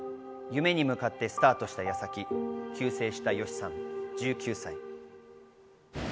夢に向かってスタートした矢先、急逝したＹＯＳＨＩさん、１９歳。